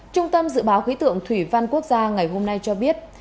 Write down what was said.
trung tâm dự báo khí tượng thủy văn quốc gia ngày hôm nay cho biết